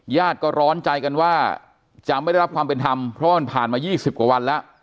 ญาติก็ร้อนใจกันว่าจะไม่ได้รับความเป็นธรรมเพราะว่ามันผ่านมา๒๐กว่าวันแล้ว